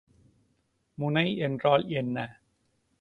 முனை என்றால் என்ன?